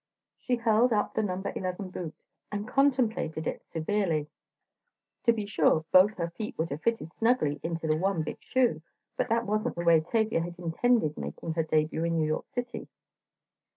She held up the number eleven boot and contemplated it severely. To be sure both her feet would have fitted snugly into the one big shoe, but that wasn't the way Tavia had intended making her debut in New York City.